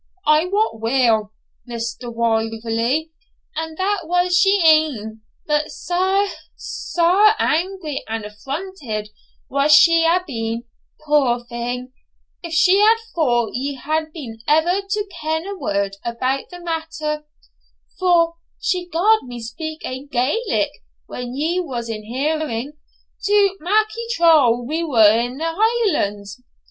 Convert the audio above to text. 'I wot weel, Mr. Wauverley, and that was she e'en; but sair, sair angry and affronted wad she hae been, puir thing, if she had thought ye had been ever to ken a word about the matter; for she gar'd me speak aye Gaelic when ye was in hearing, to mak ye trow we were in the Hielands.